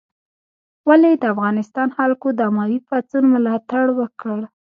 ولې د افغانستان خلکو د اموي پاڅون ملاتړ وکړ؟